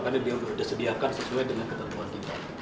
karena dia sudah disediakan sesuai dengan ketentuan kita